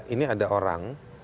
ini ada orang